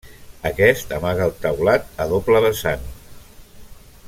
Aquest amaga el taulat a doble vessant.